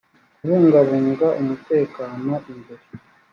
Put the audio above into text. kubungabunga umutekano imbere